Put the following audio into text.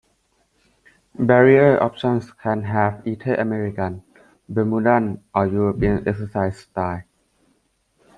Barrier options can have either American, Bermudan or European exercise style.